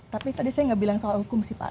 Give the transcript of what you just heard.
tapi tadi saya nggak bilang soal hukum sih pak